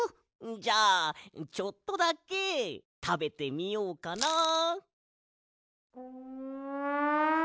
じゃあちょっとだけたべてみようかなあ。